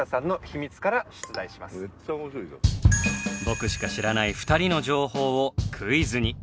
僕しか知らない２人の情報をクイズに。